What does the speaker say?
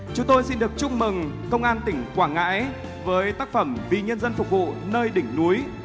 chúng tôi xin được chúc mừng công an tỉnh quảng ngãi với tác phẩm vì nhân dân phục vụ nơi đỉnh núi